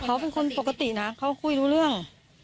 เขาเป็นคนปกตินะเขาคุยรู้เรื่อง